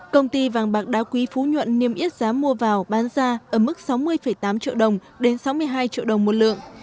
công ty vàng bạc đá quý phú nhuận niêm yết giá mua vào bán ra ở mức sáu mươi tám triệu đồng đến sáu mươi hai triệu đồng một lượng